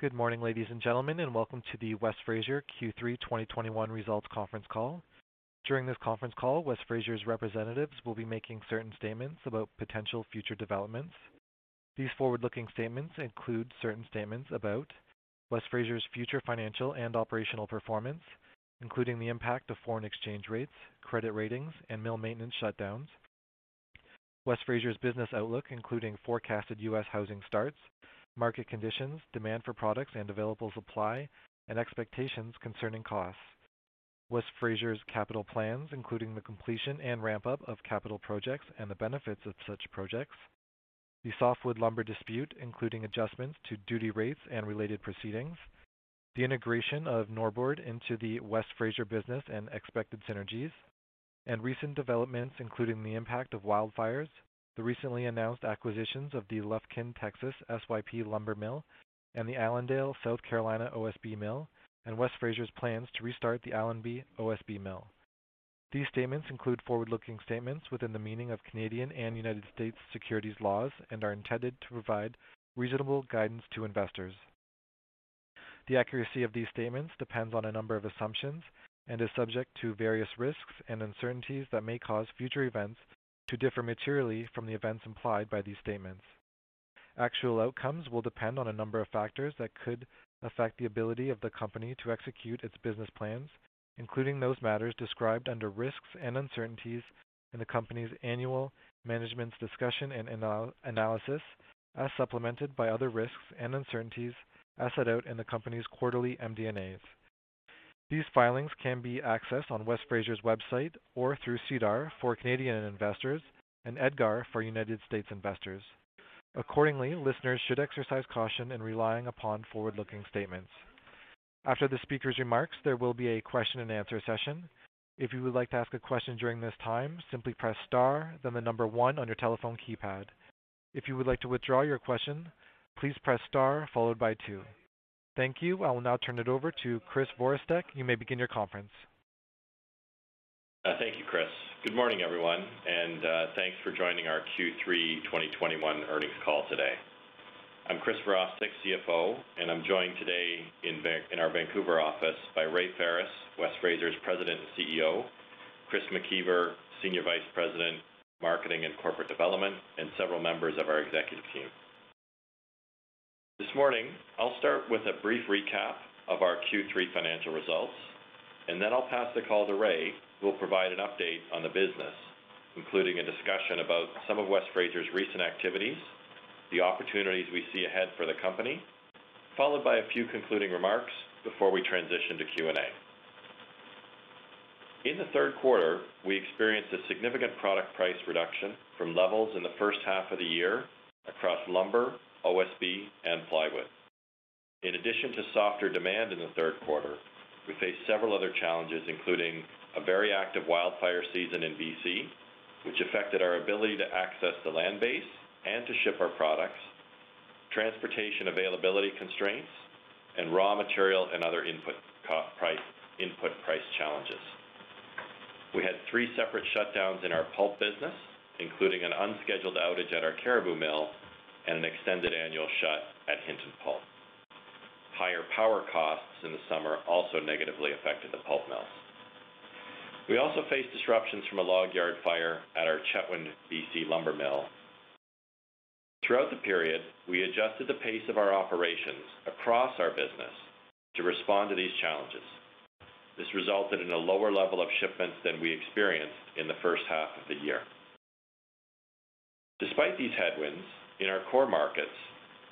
Good morning, ladies and gentlemen, and welcome to the West Fraser Q3 2021 results conference call. During this conference call, West Fraser's representatives will be making certain statements about potential future developments. These forward-looking statements include certain statements about West Fraser's future financial and operational performance, including the impact of foreign exchange rates, credit ratings, and mill maintenance shutdowns. West Fraser's business outlook, including forecasted U.S. housing starts, market conditions, demand for products and available supply, and expectations concerning costs. West Fraser's capital plans, including the completion and ramp-up of capital projects and the benefits of such projects. The softwood lumber dispute, including adjustments to duty rates and related proceedings. The integration of Norbord into the West Fraser business and expected synergies. Recent developments, including the impact of wildfires, the recently announced acquisitions of the Lufkin, Texas, SYP lumber mill and the Allendale, South Carolina, OSB mill, and West Fraser's plans to restart the Allendale OSB mill. These statements include forward-looking statements within the meaning of Canadian and United States securities laws and are intended to provide reasonable guidance to investors. The accuracy of these statements depends on a number of assumptions and is subject to various risks and uncertainties that may cause future events to differ materially from the events implied by these statements. Actual outcomes will depend on a number of factors that could affect the ability of the company to execute its business plans, including those matters described under Risks and Uncertainties in the company's annual management's discussion and analysis, as supplemented by other risks and uncertainties as set out in the company's quarterly MD&As. These filings can be accessed on West Fraser's website or through SEDAR for Canadian investors and EDGAR for United States investors. Accordingly, listeners should exercise caution in relying upon forward-looking statements. After the speaker's remarks, there will be a question-and-answer session. If you would like to ask a question during this time, simply press star, then the number one on your telephone keypad. If you would like to withdraw your question, please press star followed by two. Thank you. I will now turn it over to Chris Virostek. You may begin your conference. Thank you, Chris. Good morning, everyone, and thanks for joining our Q3 2021 earnings call today. I'm Chris Virostek, CFO, and I'm joined today in our Vancouver office by Ray Ferris, West Fraser's President and CEO, Chris McIver, Senior Vice President, Marketing and Corporate Development, and several members of our executive team. This morning, I'll start with a brief recap of our Q3 financial results, and then I'll pass the call to Ray, who will provide an update on the business, including a discussion about some of West Fraser's recent activities, the opportunities we see ahead for the company, followed by a few concluding remarks before we transition to Q&A. In the third quarter, we experienced a significant product price reduction from levels in the first half of the year across lumber, OSB, and plywood. In addition to softer demand in the third quarter, we faced several other challenges, including a very active wildfire season in B.C., which affected our ability to access the land base and to ship our products, transportation availability constraints, and raw material and other input price challenges. We had three separate shutdowns in our pulp business, including an unscheduled outage at our Cariboo mill and an extended annual shut at Hinton Pulp. Higher power costs in the summer also negatively affected the pulp mills. We also faced disruptions from a log yard fire at our Chetwynd, B.C. lumber mill. Throughout the period, we adjusted the pace of our operations across our business to respond to these challenges. This resulted in a lower level of shipments than we experienced in the first half of the year. Despite these headwinds in our core markets,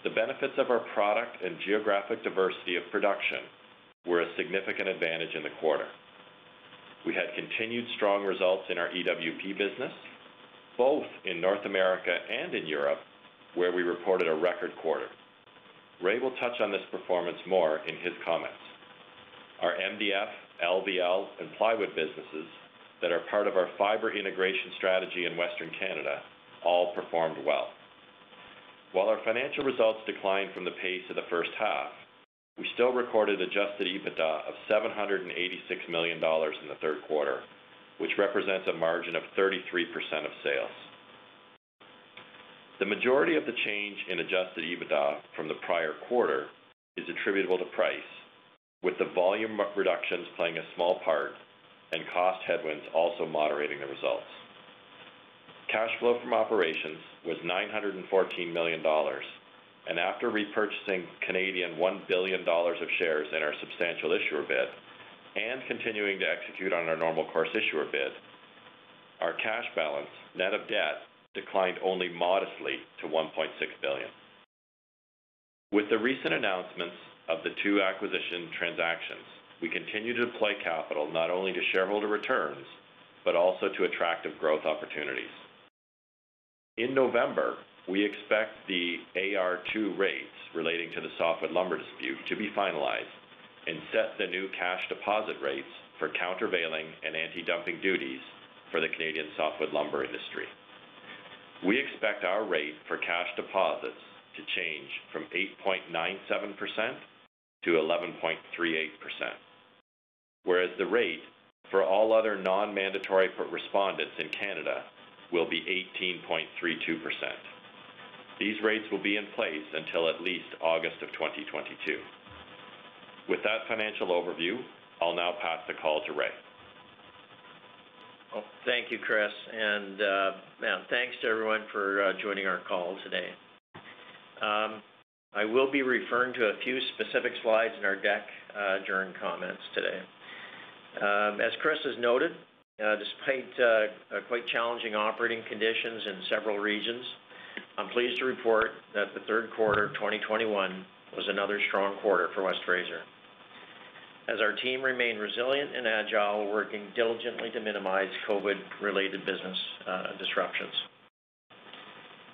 the benefits of our product and geographic diversity of production were a significant advantage in the quarter. We had continued strong results in our EWP business, both in North America and in Europe, where we reported a record quarter. Ray will touch on this performance more in his comments. Our MDF, LVL, and plywood businesses that are part of our fiber integration strategy in Western Canada all performed well. While our financial results declined from the pace of the first half, we still recorded adjusted EBITDA of $786 million in the third quarter, which represents a margin of 33% of sales. The majority of the change in adjusted EBITDA from the prior quarter is attributable to price, with the volume reductions playing a small part and cost headwinds also moderating the results. Cash flow from operations was $914 million, and after repurchasing 1 billion Canadian dollars of shares in our substantial issuer bid and continuing to execute on our normal course issuer bid, our cash balance, net of debt, declined only modestly to $1.6 billion. With the recent announcements of the two acquisition transactions, we continue to deploy capital not only to shareholder returns, but also to attractive growth opportunities. In November, we expect the AR2 rates relating to the softwood lumber dispute to be finalized and set the new cash deposit rates for countervailing and anti-dumping duties for the Canadian softwood lumber industry. We expect our rate for cash deposits to change from 8.97% to 11.38%. Whereas the rate for all other non-mandatory respondents in Canada will be 18.32%. These rates will be in place until at least August of 2022. With that financial overview, I'll now pass the call to Ray. Oh, thank you, Chris. Man, thanks to everyone for joining our call today. I will be referring to a few specific slides in our deck during comments today. As Chris has noted, despite quite challenging operating conditions in several regions, I'm pleased to report that the third quarter of 2021 was another strong quarter for West Fraser. As our team remained resilient and agile, working diligently to minimize COVID-related business disruptions.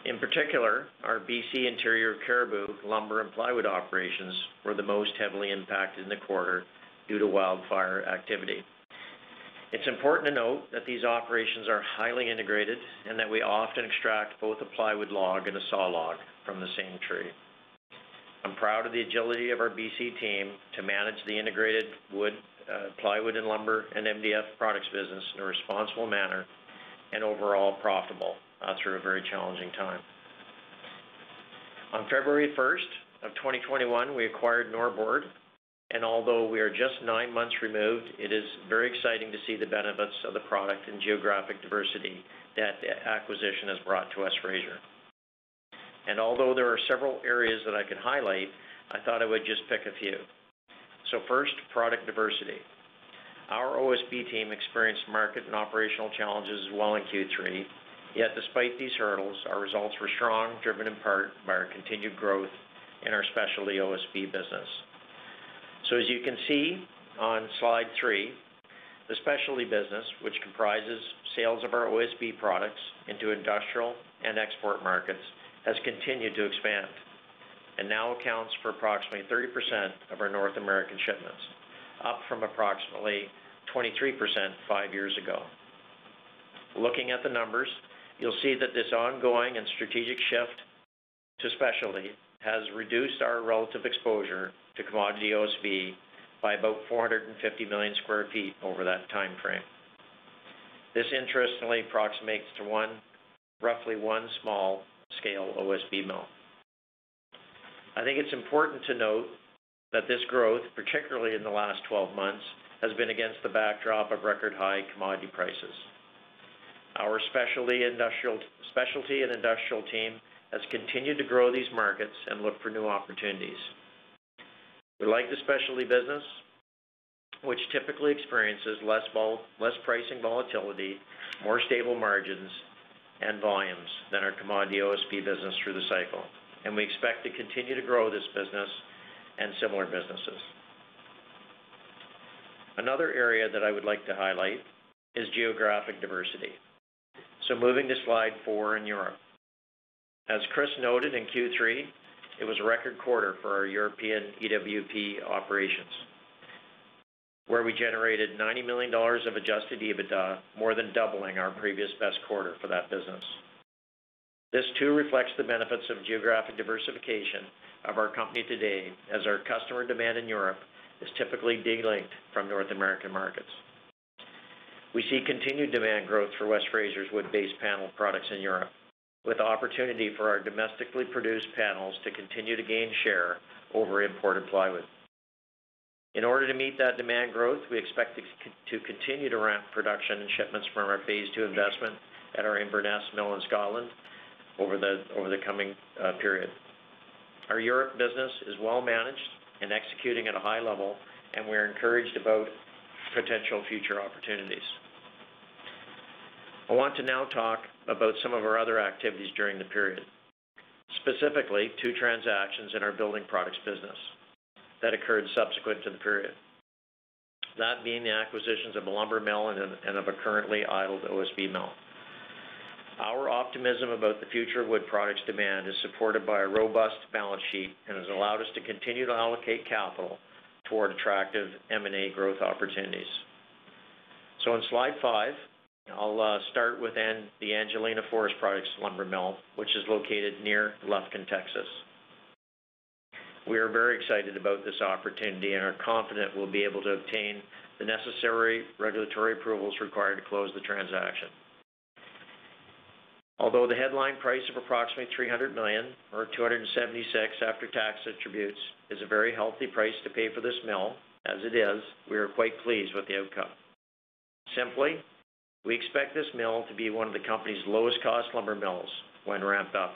In particular, our B.C. Interior Cariboo lumber and plywood operations were the most heavily impacted in the quarter due to wildfire activity. It's important to note that these operations are highly integrated, and that we often extract both a plywood log and a saw log from the same tree. I'm proud of the agility of our B.C. team to manage the integrated wood, plywood and lumber and MDF products business in a responsible manner and overall profitable through a very challenging time. On February 1st, 2021, we acquired Norbord, and although we are just nine months removed, it is very exciting to see the benefits of the product and geographic diversity that the acquisition has brought to West Fraser. Although there are several areas that I could highlight, I thought I would just pick a few. First, product diversity. Our OSB team experienced market and operational challenges as well in Q3. Yet despite these hurdles, our results were strong, driven in part by our continued growth in our specialty OSB business. As you can see on slide three, the Specialty business, which comprises sales of our OSB products into industrial and export markets, has continued to expand and now accounts for approximately 30% of our North American shipments, up from approximately 23% five years ago. Looking at the numbers, you'll see that this ongoing and strategic shift to specialty has reduced our relative exposure to commodity OSB by about 450 million sq ft over that time frame. This interestingly approximates to roughly one small-scale OSB mill. I think it's important to note that this growth, particularly in the last 12 months, has been against the backdrop of record-high commodity prices. Our Specialty and Industrial team has continued to grow these markets and look for new opportunities. We like the Specialty business, which typically experiences less pricing volatility, more stable margins, and volumes than our commodity OSB business through the cycle. We expect to continue to grow this business and similar businesses. Another area that I would like to highlight is geographic diversity. Moving to slide four in Europe. As Chris noted in Q3, it was a record quarter for our European EWP operations, where we generated $90 million of Adjusted EBITDA, more than doubling our previous best quarter for that business. This too reflects the benefits of geographic diversification of our company today as our customer demand in Europe is typically de-linked from North American markets. We see continued demand growth for West Fraser's wood-based panel products in Europe, with opportunity for our domestically produced panels to continue to gain share over imported plywood. In order to meet that demand growth, we expect to continue to ramp production and shipments from our phase two investment at our Inverness mill in Scotland over the coming period. Our Europe business is well-managed and executing at a high level, and we're encouraged about potential future opportunities. I want to now talk about some of our other activities during the period, specifically two transactions in our building products business that occurred subsequent to the period. That being the acquisitions of a lumber mill and of a currently idled OSB mill. Our optimism about the future of wood products demand is supported by a robust balance sheet and has allowed us to continue to allocate capital toward attractive M&A growth opportunities. On slide five, I'll start with the Angelina Forest Products lumber mill, which is located near Lufkin, Texas. We are very excited about this opportunity and are confident we'll be able to obtain the necessary regulatory approvals required to close the transaction. Although the headline price of approximately $300 million or $276 million after-tax attributes is a very healthy price to pay for this mill as it is, we are quite pleased with the outcome. Simply, we expect this mill to be one of the company's lowest-cost lumber mills when ramped up.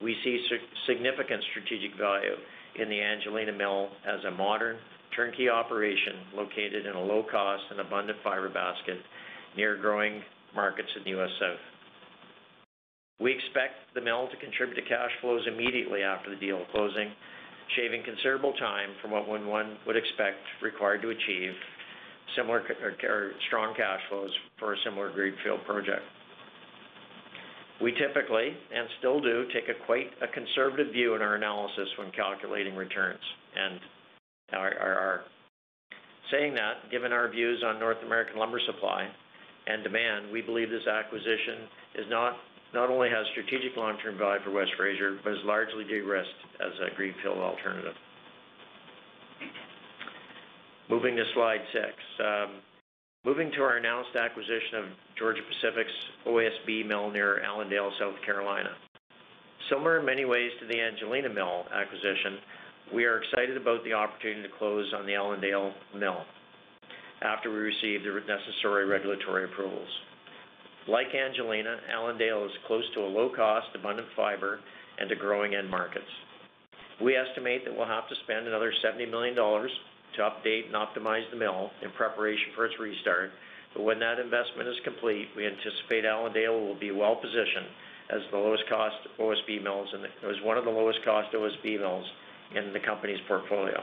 We see significant strategic value in the Angelina mill as a modern turnkey operation located in a low-cost and abundant fiber basket near growing markets in the U.S. South. We expect the mill to contribute to cash flows immediately after the deal closing, shaving considerable time from what one would expect required to achieve similar or strong cash flows for a similar greenfield project. We typically, and still do, take quite a conservative view in our analysis when calculating returns, and are saying that given our views on North American lumber supply and demand, we believe this acquisition is not only has strategic long-term value for West Fraser, but is largely de-risked as a greenfield alternative. Moving to slide six. Moving to our announced acquisition of Georgia-Pacific's OSB mill near Allendale, South Carolina. Similar in many ways to the Angelina mill acquisition, we are excited about the opportunity to close on the Allendale mill after we receive the necessary regulatory approvals. Like Angelina, Allendale is close to a low-cost, abundant fiber and to growing end markets. We estimate that we'll have to spend another $70 million to update and optimize the mill in preparation for its restart. When that investment is complete, we anticipate Allendale will be well-positioned as the lowest cost OSB mills, and as one of the lowest cost OSB mills in the company's portfolio.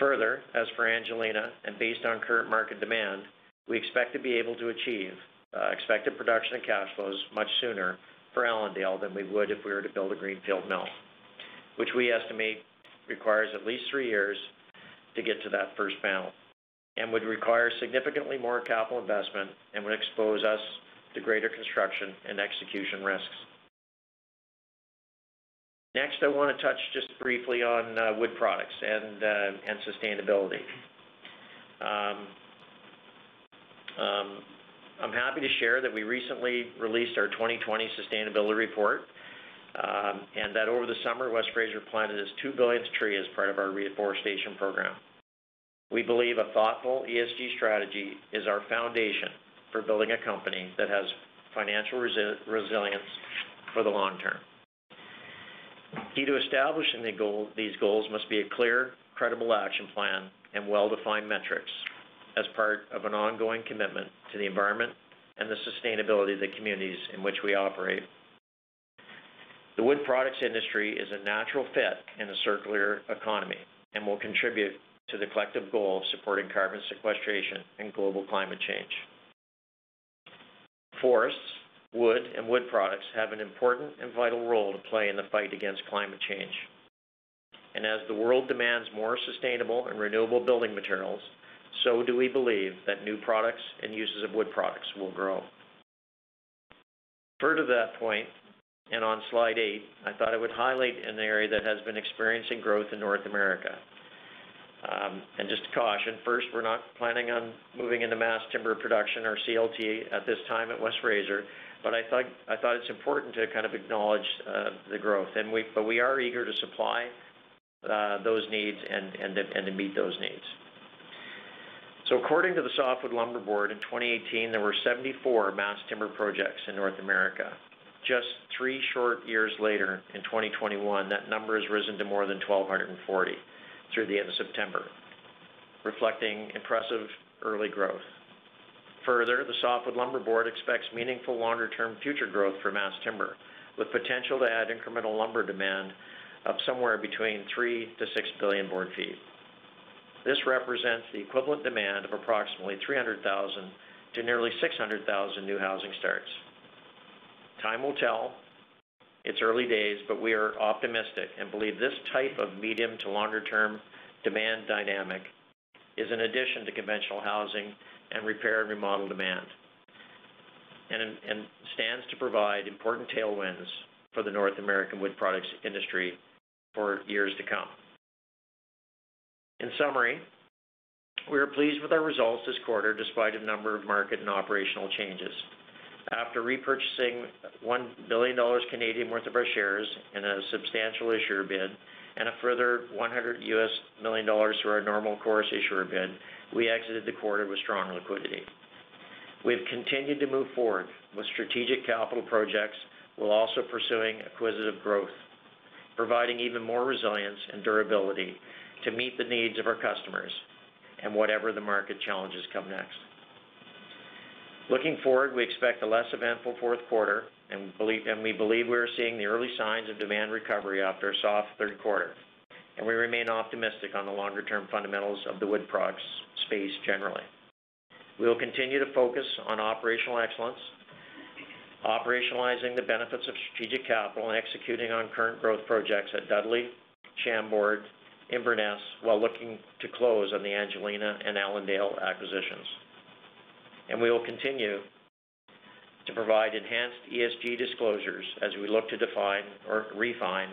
Further, as for Angelina, and based on current market demand, we expect to be able to achieve expected production and cash flows much sooner for Allendale than we would if we were to build a greenfield mill, which we estimate requires at least three years to get to that first panel, and would require significantly more capital investment and would expose us to greater construction and execution risks. Next, I wanna touch just briefly on wood products and sustainability. I'm happy to share that we recently released our 2020 Sustainability Report, and that over the summer, West Fraser planted its 2 billionth tree as part of our reforestation program. We believe a thoughtful ESG strategy is our foundation for building a company that has financial resilience for the long term. Key to establishing these goals must be a clear, credible action plan and well-defined metrics as part of an ongoing commitment to the environment and the sustainability of the communities in which we operate. The wood products industry is a natural fit in a circular economy and will contribute to the collective goal of supporting carbon sequestration and global climate change. Forests, wood, and wood products have an important and vital role to play in the fight against climate change. As the world demands more sustainable and renewable building materials, so do we believe that new products and uses of wood products will grow. Refer to that point, and on slide eight, I thought I would highlight an area that has been experiencing growth in North America. Just a caution, first, we're not planning on moving into mass timber production or CLT at this time at West Fraser, but I thought it's important to kind of acknowledge the growth. But we are eager to supply those needs and to meet those needs. According to the Softwood Lumber Board, in 2018, there were 74 mass timber projects in North America. Just three short years later in 2021, that number has risen to more than 1,240 through the end of September, reflecting impressive early growth. Further, the Softwood Lumber Board expects meaningful longer-term future growth for mass timber, with potential to add incremental lumber demand of somewhere between 3 billion board feet-6 billion board feet. This represents the equivalent demand of approximately 300,000 to nearly 600,000 new housing starts. Time will tell. It's early days, but we are optimistic and believe this type of medium to longer-term demand dynamic is an addition to conventional housing and repair and remodel demand, and stands to provide important tailwinds for the North American wood products industry for years to come. In summary, we are pleased with our results this quarter despite a number of market and operational changes. After repurchasing 1 billion Canadian dollars worth of our shares in a substantial issuer bid and a further $100 million through our normal course issuer bid, we exited the quarter with strong liquidity. We've continued to move forward with strategic capital projects while also pursuing acquisitive growth, providing even more resilience and durability to meet the needs of our customers and whatever the market challenges come next. Looking forward, we expect a less eventful fourth quarter, and we believe we are seeing the early signs of demand recovery after a soft third quarter, and we remain optimistic on the longer-term fundamentals of the wood products space generally. We will continue to focus on operational excellence, operationalizing the benefits of strategic capital, and executing on current growth projects at Dudley, Chambord, Inverness, while looking to close on the Angelina and Allendale acquisitions. We will continue to provide enhanced ESG disclosures as we look to define or refine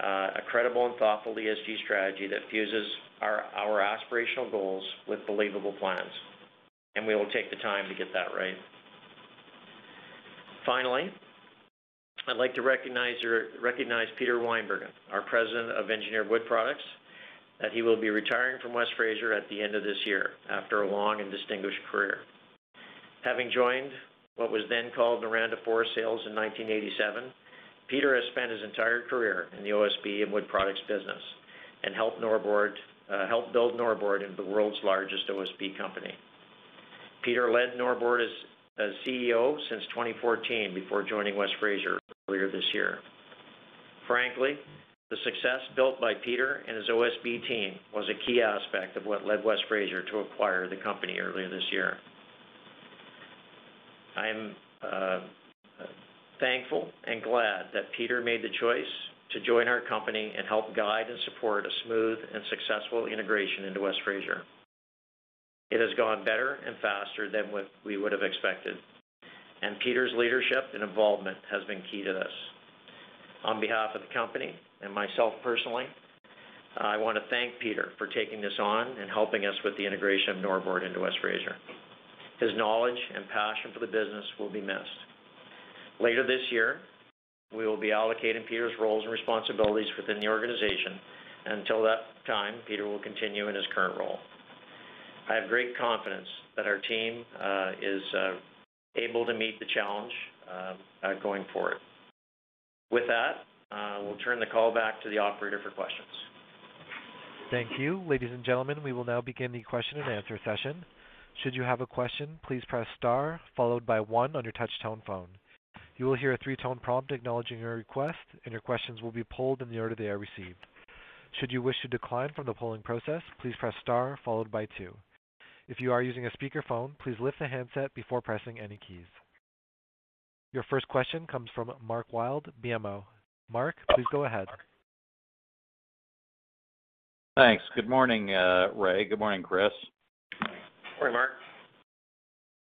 a credible and thoughtful ESG strategy that fuses our aspirational goals with believable plans. We will take the time to get that right. Finally, I'd like to recognize Peter Wijnbergen, our President of Engineered Wood Products, that he will be retiring from West Fraser at the end of this year after a long and distinguished career. Having joined what was then called Noranda Forest Sales in 1987, Peter has spent his entire career in the OSB and wood products business and helped build Norbord into the world's largest OSB company. Peter led Norbord as CEO since 2014 before joining West Fraser earlier this year. Frankly, the success built by Peter and his OSB team was a key aspect of what led West Fraser to acquire the company earlier this year. I am thankful and glad that Peter made the choice to join our company and help guide and support a smooth and successful integration into West Fraser. It has gone better and faster than what we would have expected, and Peter's leadership and involvement has been key to this. On behalf of the company and myself personally, I want to thank Peter for taking this on and helping us with the integration of Norbord into West Fraser. His knowledge and passion for the business will be missed. Later this year, we will be allocating Peter's roles and responsibilities within the organization. Until that time, Peter will continue in his current role. I have great confidence that our team is able to meet the challenge going forward. With that, we'll turn the call back to the operator for questions. Thank you. Ladies and gentlemen, we will now begin the question-and-answer session. Should you have a question, please press star followed by one on your touch-tone phone. You will hear a three-tone prompt acknowledging your request, and your questions will be polled in the order they are received. Should you wish to decline from the polling process, please press star followed by two. If you are using a speakerphone, please lift the handset before pressing any keys. Your first question comes from Mark Wilde, BMO. Mark, please go ahead. Thanks. Good morning, Ray. Good morning, Chris. Good morning.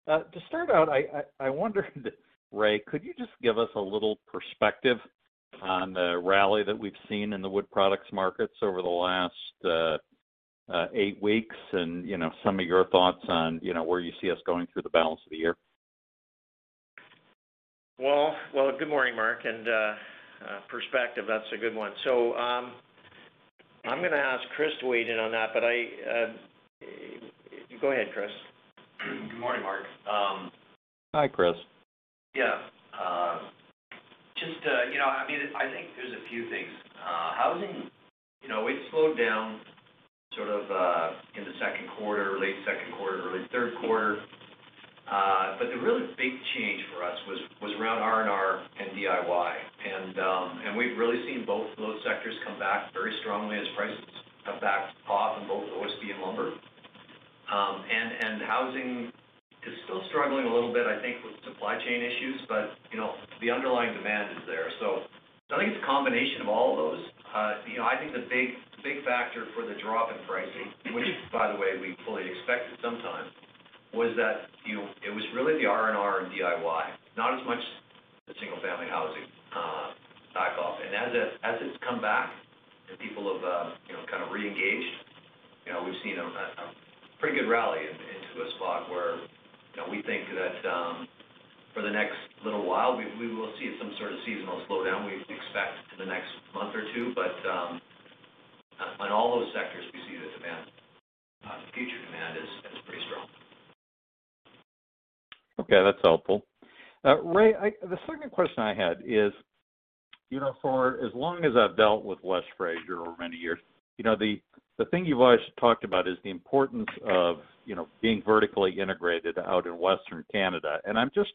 Good morning, Mark. To start out, I wondered, Ray, could you just give us a little perspective on the rally that we've seen in the wood products markets over the last eight weeks and, you know, some of your thoughts on, you know, where you see us going through the balance of the year? Well, good morning, Mark. Perspective, that's a good one. I'm gonna ask Chris to weigh in on that. Go ahead, Chris. Good morning, Mark. Hi, Chris. Yeah. Just, you know, I mean, I think there's a few things. Housing, you know, it slowed down sort of in the second quarter, late second quarter, early third quarter. The really big change for us was around R&R and DIY. We've really seen both those sectors come back very strongly as prices have backed off in both OSB and lumber. Housing is still struggling a little bit, I think, with supply chain issues, but, you know, the underlying demand is there. I think it's a combination of all of those. You know, I think the big, big factor for the drop in pricing, which by the way, we fully expected sometime, was that, you know, it was really the R&R and DIY, not as much the single-family housing back off. As it's come back and people have, you know, kind of reengaged, you know, we've seen a pretty good rally into a spot where, you know, we think that, for the next little while, we will see some sort of seasonal slowdown, we expect in the next month or two. On all those sectors, we see the demand, the future demand is pretty strong. Okay, that's helpful. Ray, the second question I had is, you know, for as long as I've dealt with West Fraser over many years, you know, the thing you've always talked about is the importance of, you know, being vertically integrated out in Western Canada. I'm just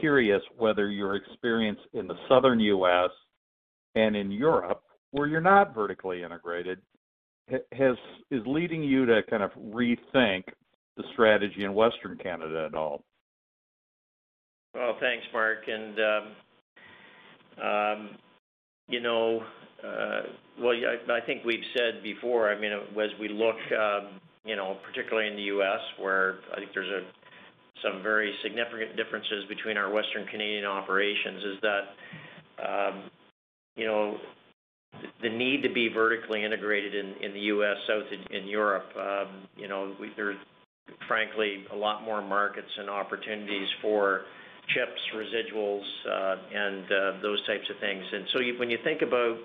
curious whether your experience in the Southern U.S. and in Europe, where you're not vertically integrated, is leading you to kind of rethink the strategy in Western Canada at all. Well, thanks, Mark. You know, well, I think we've said before, I mean, as we look, you know, particularly in the U.S. where I think there's some very significant differences between our Western Canadian operations, is that, you know, the need to be vertically integrated in the U.S. South in Europe, you know, there's frankly a lot more markets and opportunities for chips, residuals, and those types of things. When you think about,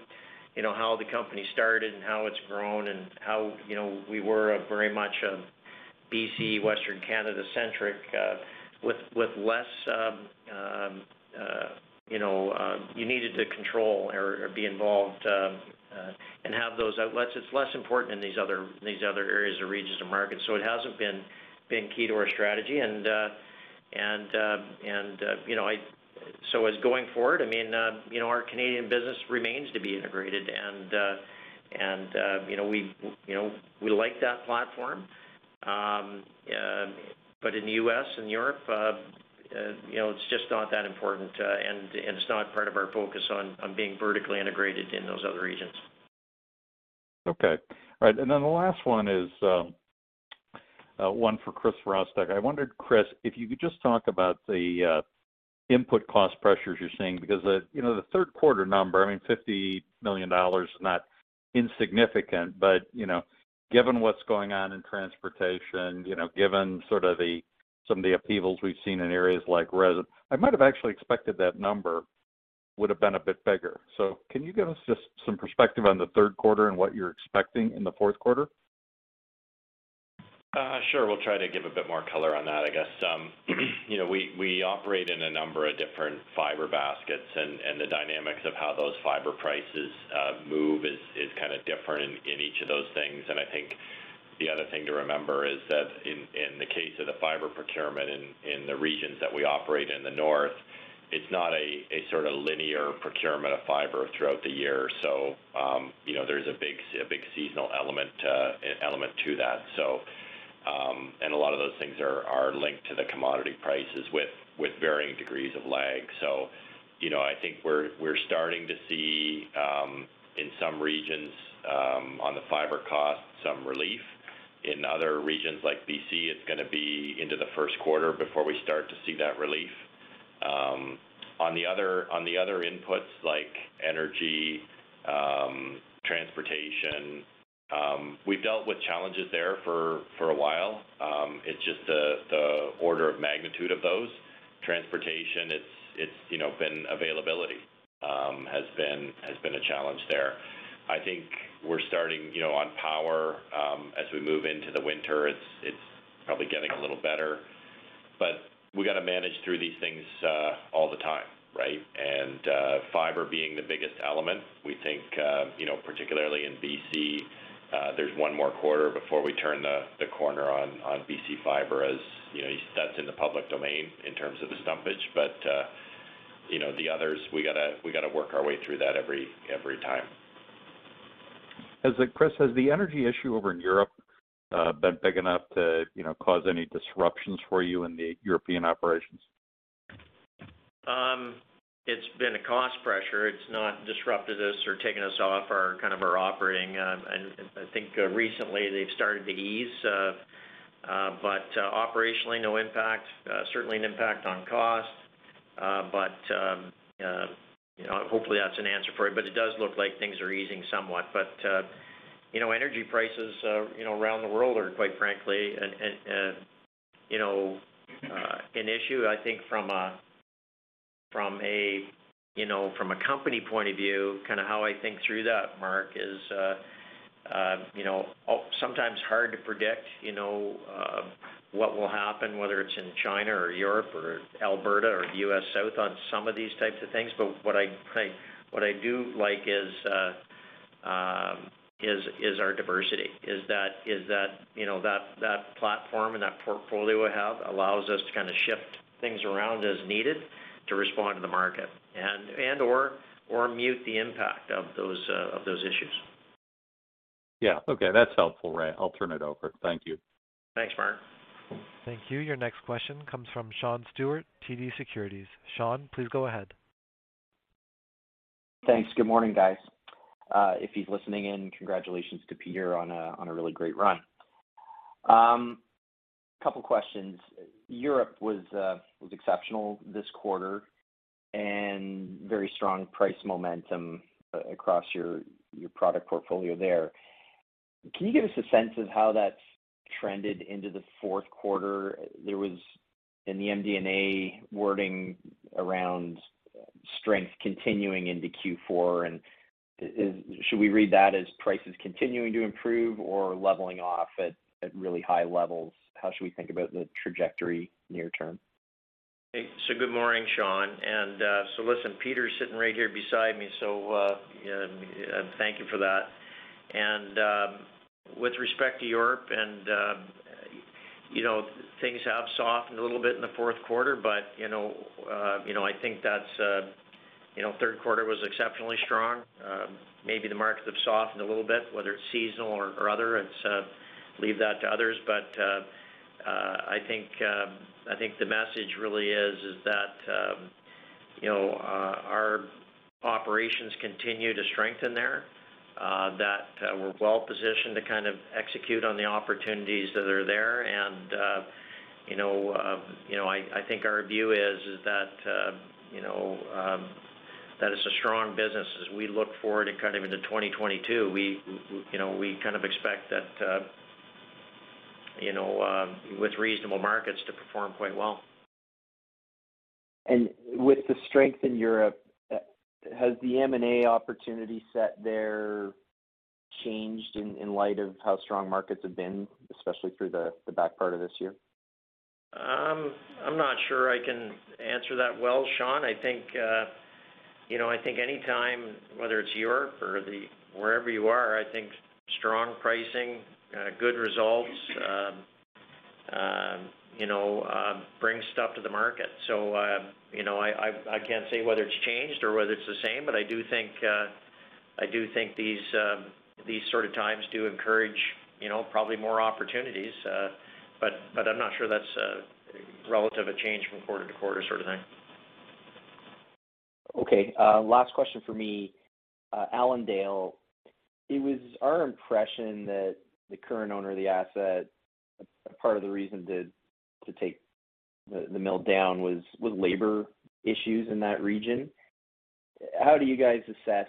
you know, how the company started and how it's grown and how, you know, we were very much a B.C., Western Canada-centric, with less, you know, you needed to control or be involved, and have those outlets. It's less important in these other areas or regions or markets, so it hasn't been key to our strategy. As going forward, I mean, you know, our Canadian business remains to be integrated and you know, we like that platform. In the U.S. and Europe, you know, it's just not that important, and it's not part of our focus on being vertically integrated in those other regions. The last one is one for Chris Virostek. I wondered, Chris, if you could just talk about the input cost pressures you're seeing, because the you know the third quarter number, I mean, $50 million is not insignificant, but you know given what's going on in transportation, you know given sort of some of the upheavals we've seen in areas like resin, I might have actually expected that number would have been a bit bigger. Can you give us just some perspective on the third quarter and what you're expecting in the fourth quarter? Sure. We'll try to give a bit more color on that, I guess. You know, we operate in a number of different fiber baskets, and the dynamics of how those fiber prices move is kind of different in each of those things. I think the other thing to remember is that in the case of the fiber procurement in the regions that we operate in the North. It's not a sort of linear procurement of fiber throughout the year. You know, there's a big seasonal element to that. A lot of those things are linked to the commodity prices with varying degrees of lag. You know, I think we're starting to see in some regions on the fiber cost some relief. In other regions like B.C., it's gonna be into the first quarter before we start to see that relief. On the other inputs like energy, transportation, we've dealt with challenges there for a while. It's just the order of magnitude of those. Transportation, it's you know availability has been a challenge there. I think we're starting, you know, on power, as we move into the winter, it's probably getting a little better. We gotta manage through these things all the time, right? Fiber being the biggest element, we think, you know, particularly in B.C., there's one more quarter before we turn the corner on B.C. fiber as you know, that's in the public domain in terms of the stumpage. You know, the others, we gotta work our way through that every time. Chris, has the energy issue over in Europe been big enough to, you know, cause any disruptions for you in the European operations? It's been a cost pressure. It's not disrupted us or taken us off our kind of operating. I think recently they've started to ease. Operationally, no impact. Certainly an impact on cost. You know, hopefully that's an answer for it. It does look like things are easing somewhat. You know, energy prices, you know, around the world are quite frankly, you know, an issue. I think from a company point of view, kinda how I think through that, Mark, is you know, sometimes hard to predict, you know, what will happen, whether it's in China or Europe or Alberta or U.S. South on some of these types of things. What I do like is our diversity, that you know that platform and that portfolio we have allows us to kinda shift things around as needed to respond to the market and/or mute the impact of those issues. Yeah. Okay. That's helpful, Ray. I'll turn it over. Thank you. Thanks, Mark. Thank you. Your next question comes from Sean Steuart, TD Securities. Sean, please go ahead. Thanks. Good morning, guys. If he's listening in, congratulations to Peter on a really great run. Couple questions. Europe was exceptional this quarter and very strong price momentum across your product portfolio there. Can you give us a sense of how that's trended into the fourth quarter? There was in the MD&A wording around strength continuing into Q4, and should we read that as prices continuing to improve or leveling off at really high levels? How should we think about the trajectory near term? Good morning, Sean. Listen, Peter is sitting right here beside me, so yeah, thank you for that. With respect to Europe and, you know, things have softened a little bit in the fourth quarter, but, you know, you know, I think that's. You know, third quarter was exceptionally strong. Maybe the markets have softened a little bit, whether it's seasonal or other, it's leave that to others. I think the message really is that, you know, our operations continue to strengthen there, that we're well-positioned to kind of execute on the opportunities that are there. You know, you know, I think our view is that, you know, that it's a strong business. As we look forward kind of into 2022, we, you know, we kind of expect that, you know, with reasonable markets to perform quite well. With the strength in Europe, has the M&A opportunity set there changed in light of how strong markets have been, especially through the back part of this year? I'm not sure I can answer that well, Sean. I think, you know, I think any time, whether it's Europe or the wherever you are, I think strong pricing, good results, you know, brings stuff to the market. You know, I can't say whether it's changed or whether it's the same, but I do think, I do think these these sort of times do encourage, you know, probably more opportunities. But I'm not sure that's a relative, a change from quarter to quarter sort of thing. Okay. Last question for me. Allendale, it was our impression that the current owner of the asset, a part of the reason to take the mill down was labor issues in that region. How do you guys assess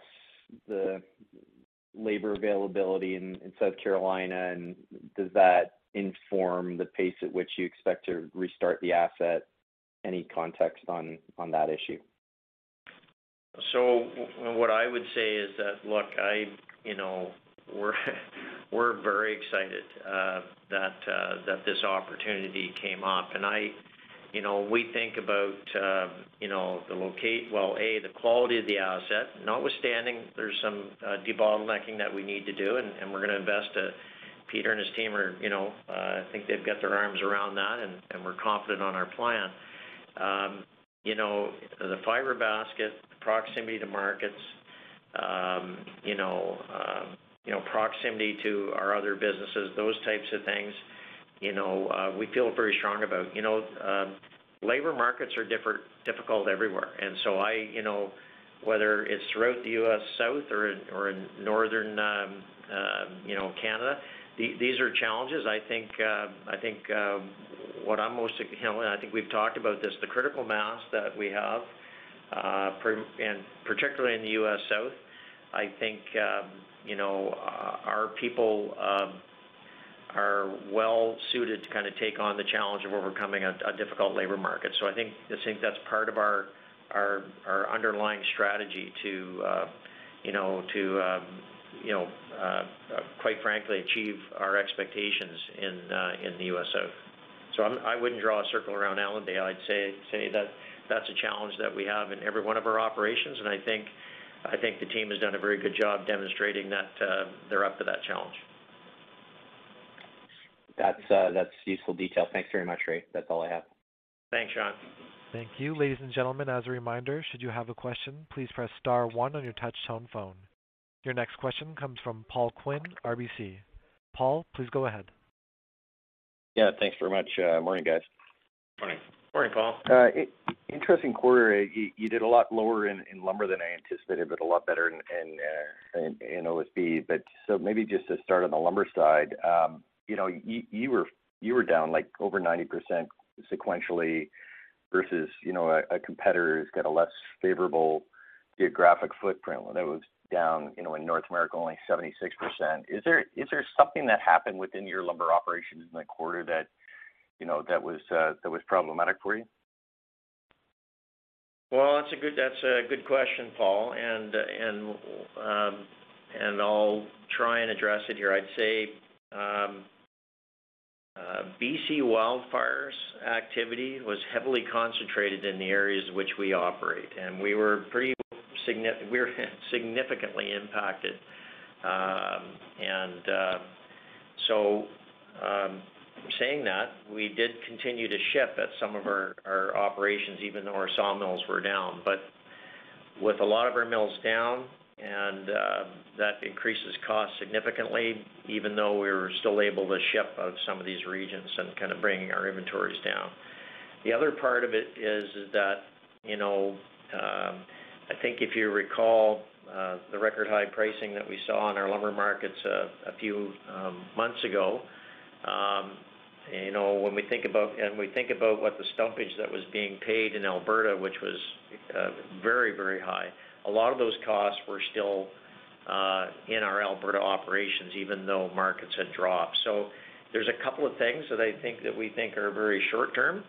the labor availability in South Carolina, and does that inform the pace at which you expect to restart the asset? Any context on that issue? What I would say is that, look, you know, we're very excited that this opportunity came up. You know, we think about the quality of the asset, notwithstanding, there's some debottlenecking that we need to do, and we're gonna invest. Peter and his team, you know, I think they've got their arms around that, and we're confident on our plan. You know, the fiber basket, the proximity to markets, you know, proximity to our other businesses, those types of things, you know, we feel very strong about. You know, labor markets are difficult everywhere, you know, whether it's throughout the U.S. South or in northern Canada, these are challenges. You know, I think we've talked about this, the critical mass that we have, particularly in the U.S. South. I think you know our people are well-suited to kind of take on the challenge of overcoming a difficult labor market. I just think that's part of our underlying strategy to you know quite frankly achieve our expectations in the U.S. South. I wouldn't draw a circle around Allendale. I'd say that that's a challenge that we have in every one of our operations, and I think the team has done a very good job demonstrating that they're up for that challenge. That's useful detail. Thanks very much, Ray. That's all I have. Thanks, Sean. Thank you. Ladies and gentlemen, as a reminder, should you have a question, please press star one on your touch tone phone. Your next question comes from Paul Quinn, RBC. Paul, please go ahead. Yeah, thanks very much. Morning, guys. Morning. Morning, Paul. Interesting quarter. You did a lot lower in lumber than I anticipated, but a lot better in OSB. Maybe just to start on the lumber side, you know, you were down like over 90% sequentially versus, you know, a competitor who's got a less favorable geographic footprint. That was down, you know, in North America only 76%. Is there something that happened within your lumber operations in the quarter that, you know, that was problematic for you? Well, that's a good question, Paul. I'll try and address it here. I'd say, B.C. wildfires activity was heavily concentrated in the areas in which we operate, and we were significantly impacted. Saying that, we did continue to ship at some of our operations even though our sawmills were down. But with a lot of our mills down, that increases costs significantly, even though we were still able to ship out of some of these regions and kind of bringing our inventories down. The other part of it is that, you know, I think if you recall, the record high pricing that we saw in our lumber markets a few months ago, you know, when we think about. We think about what the stumpage that was being paid in Alberta, which was very, very high. A lot of those costs were still in our Alberta operations, even though markets had dropped. There's a couple of things that I think we think are very short-term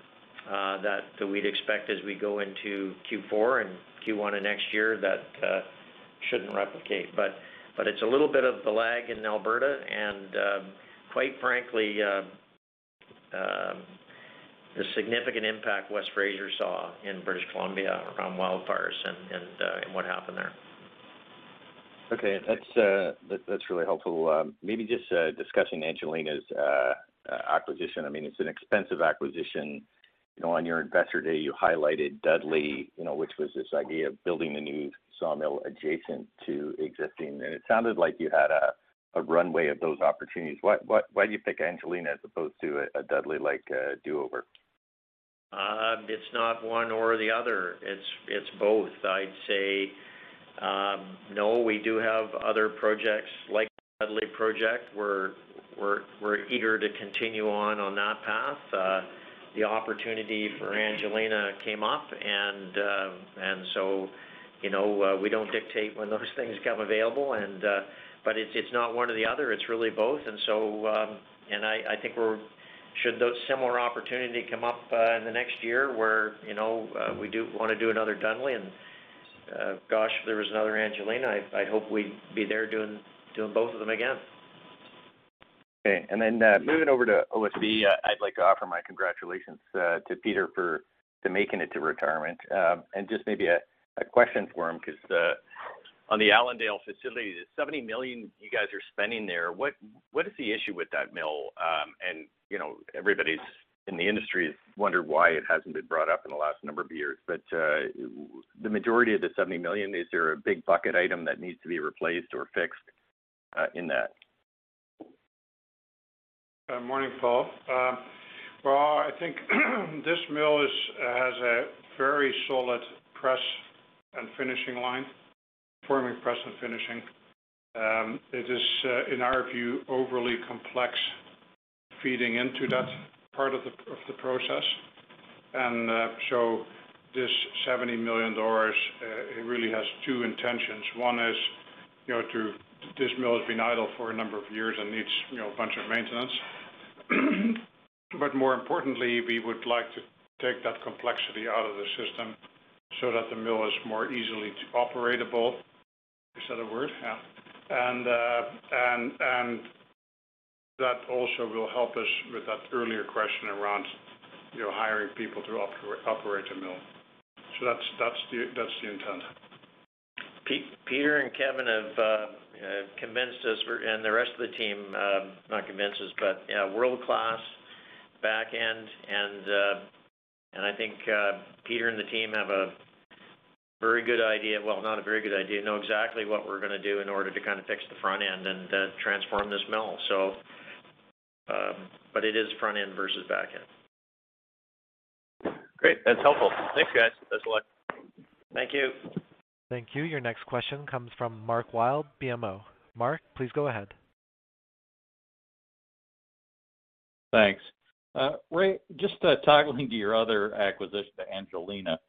that we'd expect as we go into Q4 and Q1 of next year that shouldn't replicate. But it's a little bit of the lag in Alberta and, quite frankly, the significant impact West Fraser saw in British Columbia around wildfires and what happened there. Okay. That's really helpful. Maybe just discussing Angelina's acquisition. I mean, it's an expensive acquisition. You know, on your investor day, you highlighted Dudley, you know, which was this idea of building a new sawmill adjacent to existing. It sounded like you had a runway of those opportunities. Why'd you pick Angelina as opposed to a Dudley-like do over? It's not one or the other. It's both. I'd say, no, we do have other projects like the Dudley project. We're eager to continue on that path. The opportunity for Angelina came up, and so, you know, we don't dictate when those things become available. It's not one or the other, it's really both. I think we're ready. Should those similar opportunities come up in the next year where we do want to do another Dudley and, gosh, there was another Angelina, I hope we'd be there doing both of them again. Okay. Moving over to OSB, I'd like to offer my congratulations to Peter for making it to retirement. Just maybe a question for him, 'cause on the Allendale facility, the $70 million you guys are spending there, what is the issue with that mill? You know, everybody in the industry has wondered why it hasn't been brought up in the last number of years. The majority of the $70 million, is there a big-ticket item that needs to be replaced or fixed in that? Morning, Paul. Well, I think this mill has a very solid press and finishing line, forming press and finishing. It is, in our view, overly complex feeding into that part of the process. This $70 million really has two intentions. One is, you know, this mill has been idle for a number of years and needs, you know, a bunch of maintenance. More importantly, we would like to take that complexity out of the system so that the mill is more easily operable. Is that a word? Yeah. And that also will help us with that earlier question around, you know, hiring people to operate the mill. That's the intent. Peter and Kevin and the rest of the team have convinced us, but yeah, world-class back end, and I think Peter and the team have a very good idea. Well, not a very good idea. They know exactly what we're gonna do in order to kinda fix the front end and transform this mill, but it is front end versus back end. Great. That's helpful. Thanks, guys. Thanks a lot. Thank you. Thank you. Your next question comes from Mark Wilde, BMO. Mark, please go ahead. Thanks. Ray, just toggling to your other acquisition to Angelina,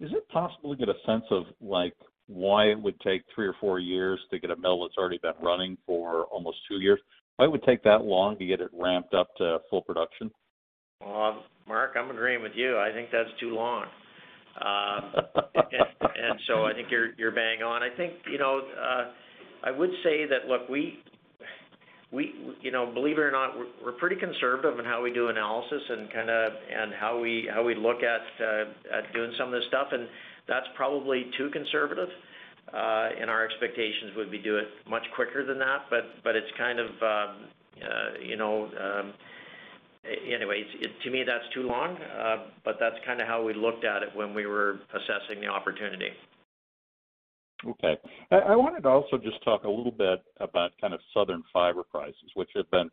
is it possible to get a sense of like why it would take three or four years to get a mill that's already been running for almost two years? Why it would take that long to get it ramped up to full production? Well, Mark, I'm agreeing with you. I think that's too long. I think you're bang on. I think, you know, I would say that, look, we you know believe it or not we're pretty conservative in how we do analysis and kinda and how we look at doing some of this stuff, and that's probably too conservative. Our expectations would be do it much quicker than that, but it's kind of, you know, anyways, to me, that's too long, but that's kinda how we looked at it when we were assessing the opportunity. Okay. I wanted to also just talk a little bit about kind of southern fiber prices, which have been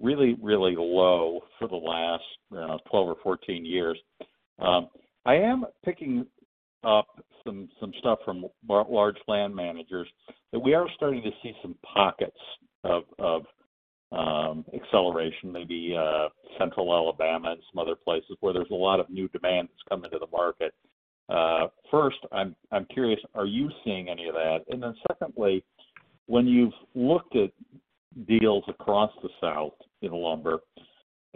really low for the last 12 or 14 years. I am picking up some stuff from large land managers that we are starting to see some pockets of acceleration, maybe Central Alabama and some other places where there's a lot of new demand that's coming to the market. First, I am curious, are you seeing any of that? Secondly, when you've looked at deals across the South in lumber,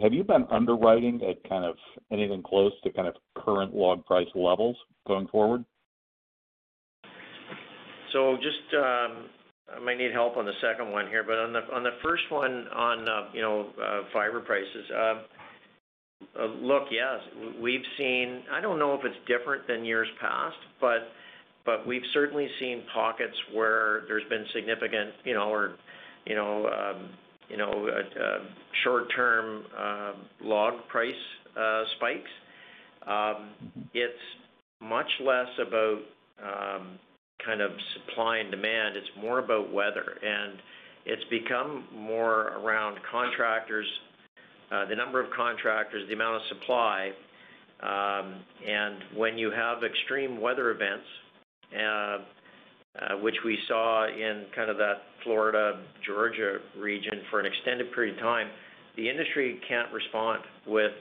have you been underwriting at kind of anything close to kind of current log price levels going forward? Just, I might need help on the second one here. On the first one on, you know, fiber prices, look, yes, we've seen. I don't know if it's different than years past, but we've certainly seen pockets where there's been significant, you know, or, you know, short-term, log price spikes. It's much less about, kind of supply and demand. It's more about weather. It's become more around contractors, the number of contractors, the amount of supply, and when you have extreme weather events, which we saw in kind of that Florida, Georgia region for an extended period of time, the industry can't respond with,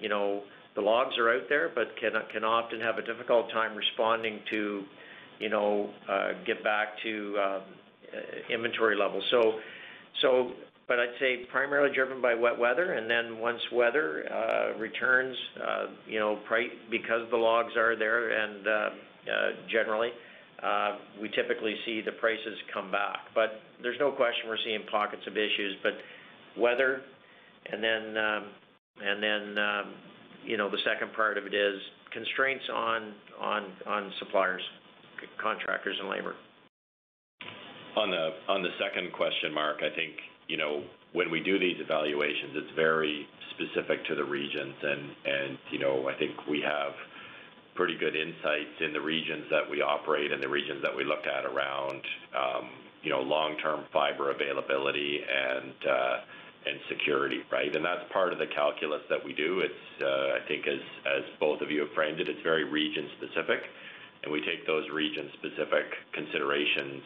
you know, the logs are out there, but can often have a difficult time responding to, you know, get back to inventory levels. But I'd say primarily driven by wet weather, and then once weather returns, you know, because the logs are there and, generally, we typically see the prices come back. There's no question we're seeing pockets of issues, weather and then, and then, you know, the second part of it is constraints on suppliers, contractors, and labor. On the second question, Mark, I think, you know, when we do these evaluations, it's very specific to the regions and, you know, I think we have pretty good insights in the regions that we operate and the regions that we looked at around, you know, long-term fiber availability and security, right? That's part of the calculus that we do. It's, I think as both of you have framed it's very region-specific, and we take those region-specific considerations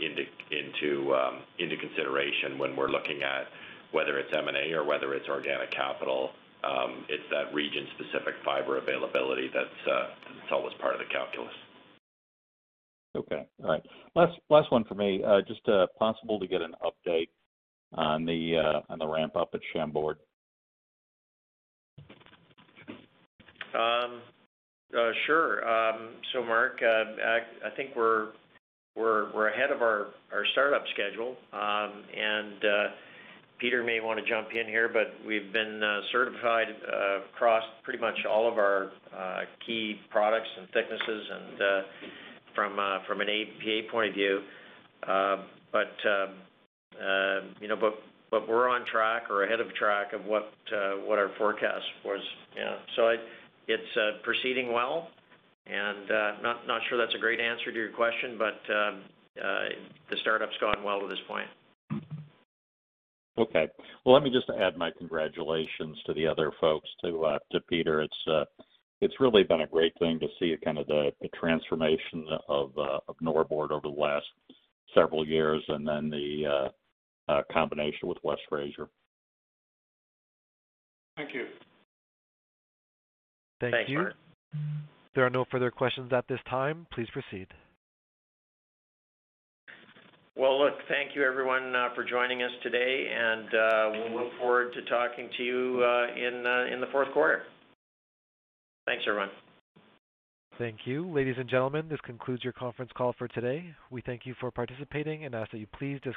into consideration when we're looking at whether it's M&A or whether it's organic capital. It's that region-specific fiber availability that's, it's always part of the calculus. Okay. All right. Last one for me. Just possible to get an update on the ramp up at Chambord. Sure. Mark, I think we're ahead of our start-up schedule. Peter may wanna jump in here, but we've been certified across pretty much all of our key products and thicknesses and from an APA point of view. You know, but we're on track or ahead of track of what our forecast was. Yeah. It's proceeding well and not sure that's a great answer to your question, but the start-up's gone well to this point. Well, let me just add my congratulations to the other folks, to Peter. It's really been a great thing to see kind of the transformation of Norbord over the last several years and then the combination with West Fraser. Thank you. Thanks, Mark. Thank you. There are no further questions at this time. Please proceed. Well, look, thank you, everyone, for joining us today, and we look forward to talking to you in the fourth quarter. Thanks, everyone. Thank you. Ladies and gentlemen, this concludes your conference call for today. We thank you for participating and ask that you please delete-